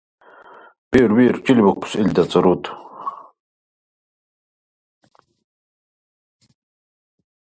Биур, биур! Чили букуси илцад руд?